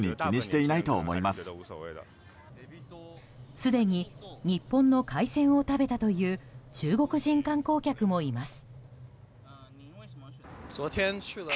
すでに日本の海鮮を食べたという中国人観光客もいます。